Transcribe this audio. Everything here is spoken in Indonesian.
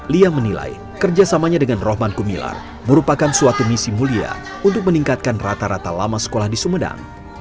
lia menilai kerjasamanya dengan rohman kumilar merupakan suatu misi mulia untuk meningkatkan rata rata lama sekolah di sumedang